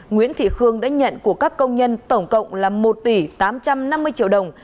nguyễn thị khương đã nhận của các công nhân tổng cộng là một tỷ tám trăm năm mươi triệu đồng